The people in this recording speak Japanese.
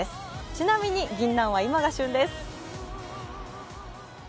ちなみに、ぎんなんは今が旬です。